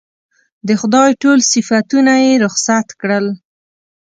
د خدای ټول صفتونه یې رخصت کړل.